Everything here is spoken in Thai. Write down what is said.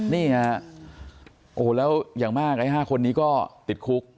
นี่ฮะโอ้โหแล้วอย่างมากไอ้๕คนนี้ก็ติดคุก